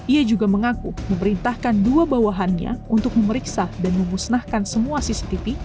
ia juga mengaku memerintahkan dua bawahannya untuk memeriksa dan memusnahkan semua cctv